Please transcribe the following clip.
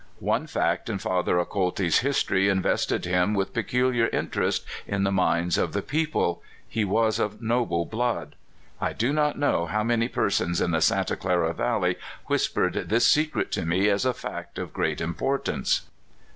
One fact in Father Acolti's history invested him with peculiar interest in the minds of the people: he was of noble blood. I do not know how many persons in the Santa Clara Valley whispered this secret to me as a fact of great importance.